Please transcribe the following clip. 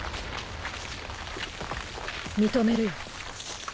認めるよ。